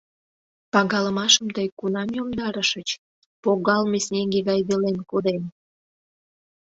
Пагалымашым тый кунам йомдарышыч, погалме снеге гай велен коден?